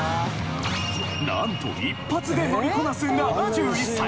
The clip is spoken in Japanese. なんと１発で乗りこなす７１歳